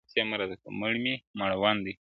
مړ مي مړوند دی.